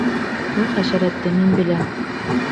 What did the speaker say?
Был хәшәрәтте мин беләм.